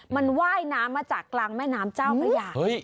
มันว่ายน้ำมาจากกลางแม่น้ำเจ้าพระยา